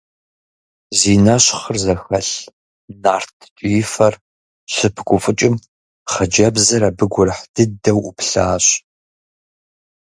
Зи нэщхъыр зэхэлъ, нарт ткӀиифэр щыпыгуфӀыкӀым, хъыджэбзыр абы гурыхь дыдэу Ӏуплъащ.